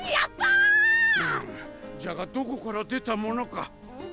うんじゃがどこから出たものか。